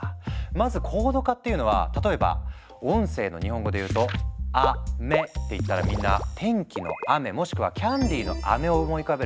まずコード化っていうのは例えば音声の日本語で言うと「あ・め」って言ったらみんな天気の雨もしくはキャンディーのアメを思い浮かべるでしょ？